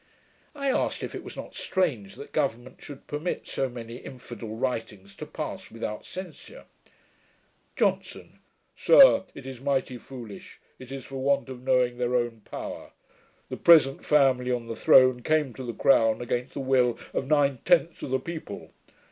"' I asked if it was not strange that government should permit so many infidel writings to pass without censure. JOHNSON. 'Sir, it is mighty foolish. It is for want of knowing their own power. The present family on the throne came to the crown against the will of nine tenths of the people.